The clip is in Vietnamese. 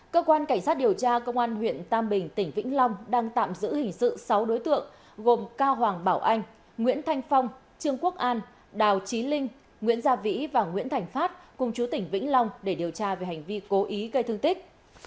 cơ quan cảnh sát điều tra công an huyện tam bình tỉnh vĩnh long đang tạm giữ hình sự sáu đối tượng gồm cao hoàng bảo anh nguyễn thanh phong trương quốc an đào trí linh nguyễn gia vĩ và nguyễn thành phát cùng chú tỉnh vĩnh long để điều tra về hành vi cố ý gây thương tích